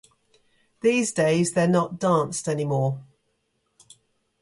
These days, they're not danced anymore.